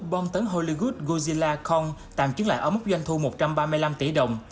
bông tấn hollywood godzilla kong tạm chứng lại ở mức doanh thu một trăm ba mươi năm tỷ đồng